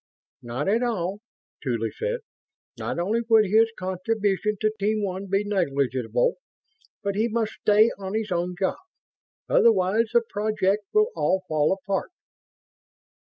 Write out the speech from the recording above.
"Not at all," Tuly said. "Not only would his contribution to Team One be negligible, but he must stay on his own job. Otherwise the project will all fall apart."